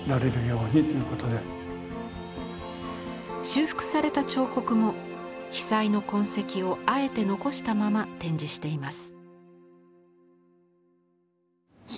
修復された彫刻も被災の痕跡をあえて残したまま展示しています。